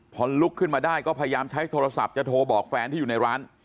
พอลุกขึ้นมาได้ก็พยายามใช้โทรศัพท์จะโทรบอกแฟนที่อยู่ในร้าน